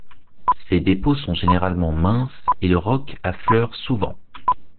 Ces dépôts sont généralement minces et le roc affleure souvent.